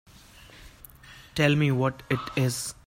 Tell me what it is.